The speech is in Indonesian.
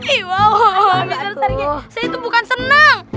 iwa saya tuh bukan senang